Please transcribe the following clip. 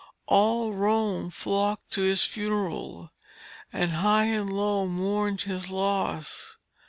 All Rome flocked to his funeral, and high and low mourned his loss.